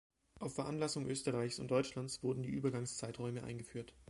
Auf Veranlassung Österreichs und Deutschlands wurden die Übergangszeiträume eingeführt.